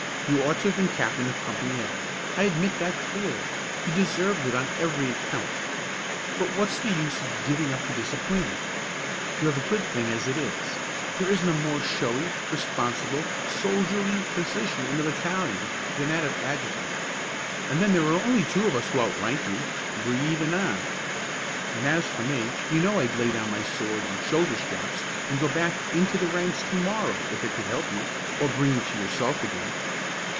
You ought to have been captain of Company A, I admit that freely; you deserved it on every account; but what's the use in giving up to disappointment? You have a good thing as it is. There isn't a more showy, responsible, soldierly position in the battalion than that of adjutant. And then there are only two of us who out rank you, Brede and I; and as for me, you know I'd lay down my sword and shoulder straps and go back into the ranks to morrow if it could help you, or bring you to yourself again."